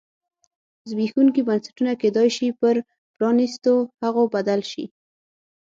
زبېښونکي بنسټونه کېدای شي پر پرانیستو هغو بدل شي.